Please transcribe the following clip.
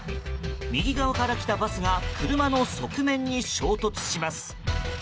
右側から来たバスが車の側面に衝突します。